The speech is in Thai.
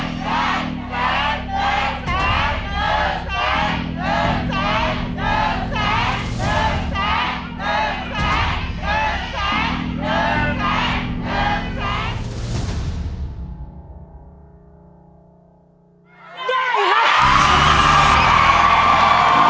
หนึ่งแสนหนึ่งแสนหนึ่งแสน